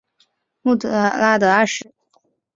穆拉德二世。